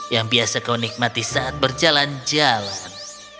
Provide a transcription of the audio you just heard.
yang biasa kau nikmati saat berjalan jalan